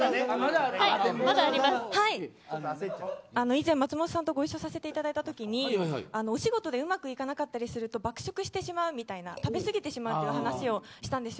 以前、松本さんとご一緒させていただいたときにお仕事でうまくいかなかったりすると爆食してしまうみたいな話をしたんです。